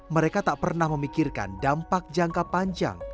mereka tak pernah memikirkan dampak jangka panjang